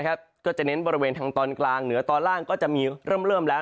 ก็จะเน้นบริเวณทางตอนกลางเหนือตอนล่างก็จะมีเริ่มแล้ว